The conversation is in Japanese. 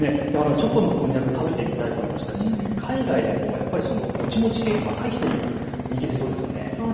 チョコのこんにゃく食べてみたいと思いますし海外でももちもち系、人気出そうですよね。